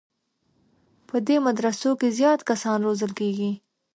په دې مدرسو کې زیات کسان روزل کېږي.